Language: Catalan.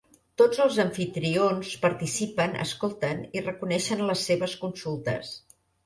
Tots els amfitrions participen, escolten i reconeixen les seves consultes.